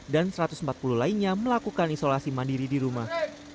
dan satu ratus empat puluh lainnya melakukan isolasi mandiri di rumah